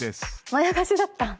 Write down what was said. まやかしだった。